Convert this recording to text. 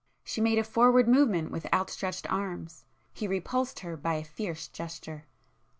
She made a forward movement with outstretched arms,—he repulsed her by a fierce gesture.